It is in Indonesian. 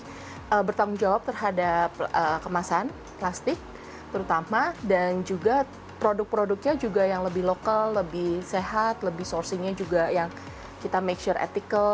jadi bertanggung jawab terhadap kemasan plastik terutama dan juga produk produknya juga yang lebih lokal lebih sehat lebih sourcingnya juga yang kita make sure ethical